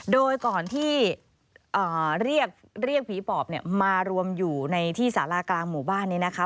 โดยก่อนที่เรียกผีปอบเนี่ยมารวมอยู่ในที่สารากลางหมู่บ้านนี้นะคะ